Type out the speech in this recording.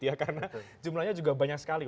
ya karena jumlahnya juga banyak sekali